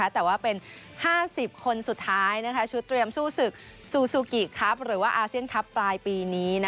แต่ว่าเป็น๕๐คนสุดท้ายชุดเตรียมสู้ศึกซูซูกิครับหรือว่าอาเซียนคลับปลายปีนี้